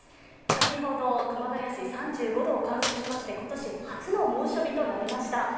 先ほど熊谷市、３５度を観測しまして今年初の猛暑日となりました。